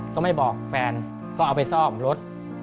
ก็ไม่บอกแฟนก็เอาไปซ่อมรถ